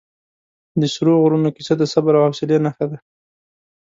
د سرو غرونو کیسه د صبر او حوصلې نښه ده.